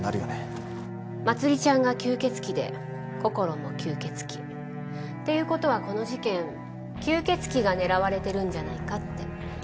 まつりちゃんが吸血鬼でこころも吸血鬼。っていう事はこの事件吸血鬼が狙われてるんじゃないかって。